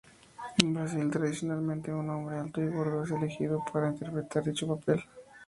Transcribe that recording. En Brasil, tradicionalmente, un hombre alto y gordo es elegido para interpretar dicho papel.